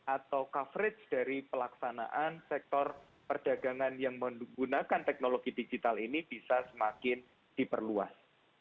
atau coverage dari pelaksanaan sektor perdagangan yang menggunakan teknologi digital ini bisa semakin diperluas